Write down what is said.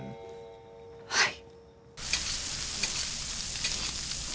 はい。